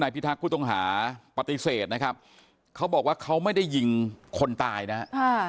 พิทักษ์ผู้ต้องหาปฏิเสธนะครับเขาบอกว่าเขาไม่ได้ยิงคนตายนะฮะ